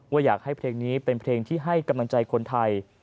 อยากให้เพลงนี้เป็นเพลงที่ให้กำลังใจคนไทย